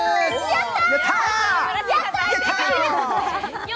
やったよ！